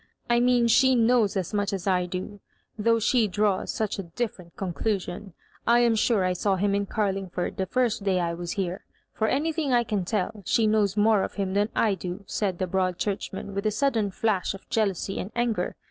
"I mean she knows as much as I do, though she draws sudi a different conduaion. I am sure I saw him in Oarlingford the first day I was hera For anything I can tell, she knows more of him than I do," said the Broad Church man,, with a sudden flitsh of jealousy and anger.